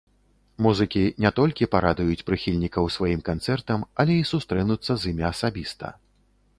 Музыкі не толькі парадуюць прыхільнікаў сваім канцэртам, але і сустрэнуцца з імі асабіста.